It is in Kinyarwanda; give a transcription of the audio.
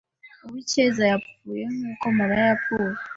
Uwicyeza yapfuye nk'uko Mariya yapfuye.